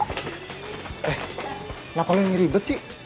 eh kenapa lu yang ribet sih